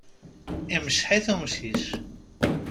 Imceḥ-it umcic.